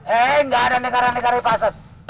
enggak ada negara negara ipah aset